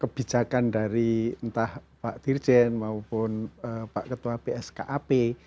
kebijakan dari entah pak dirjen maupun pak ketua pskap